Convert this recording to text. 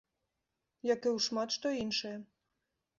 Як і ў шмат што іншае.